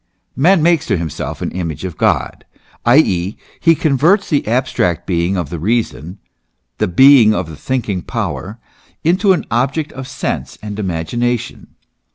Man makes to himself an image of God, i. e. } he converts the abstract Being of the reason, the Being of the thinking power, into an object of sense, or imagination.